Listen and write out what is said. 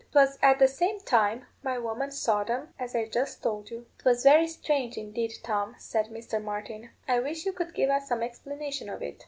'Twas at the same time my woman saw them, as I just told you." "'Twas very strange, indeed, Tom," said Mr. Martin; "I wish you could give us some explanation of it."